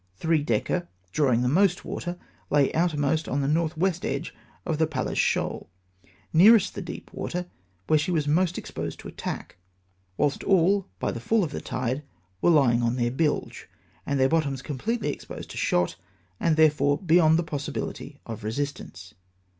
three decker, drawing the most water, lay outermost on the north west edge of the Palles Shoal, nearest the deep water, where she was most exposed to attack ; whilst all, by the fall of the tide, were lying on their bilge, with their bottoms completely exposed to shot, and therefore beyond the possibility of re sistance.